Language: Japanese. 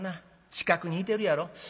近くにいてるやろ。